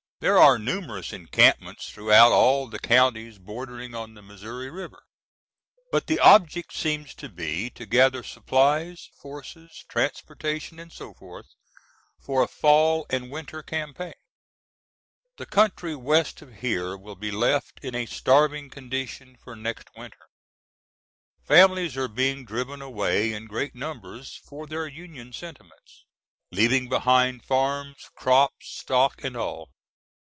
There are numerous encampments throughout all the counties bordering on the Missouri River, but the object seems to be to gather supplies, forces, transportation and so forth, for a fall and winter campaign. The country west of here will be left in a starving condition for next winter. Families are being driven away in great numbers for their Union sentiments, leaving behind farms, crops, stock and all.